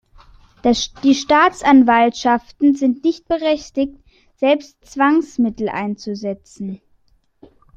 Die Staatsanwaltschaften sind nicht berechtigt, selbst Zwangsmittel einzusetzen.